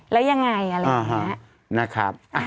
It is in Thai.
แล้วยังไงอะไรแบบเนี่ย